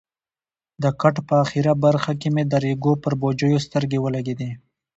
د کټ په اخره برخه کې مې د ریګو پر بوجیو سترګې ولګېدې.